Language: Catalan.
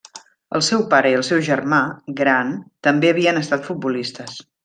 El seu pare i el seu germà gran també havien estat futbolistes.